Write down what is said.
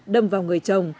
đâm vào người chồng